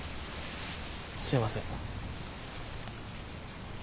すいません。